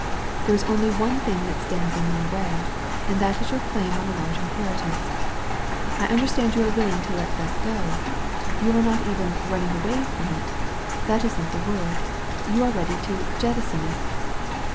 There is only one thing that stands in your way, and that is your claim on a large inheritance. I understand you are quite willing to let that go. You are not even * running away* from it — ^that is not the word — you are ready to jettison it."